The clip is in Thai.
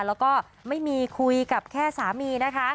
แล้วก็ไม่มีคุยกับแค่สามีนะคะ